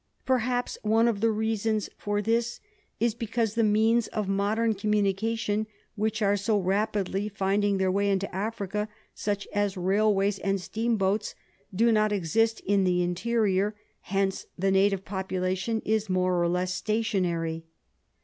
Perhaps one of the reasons for this is because the means of modern communication, which are so rapidly finding their way into Africa, such as railways and steamboats, do not exist in the interior ; hence the native population is more or less stationary."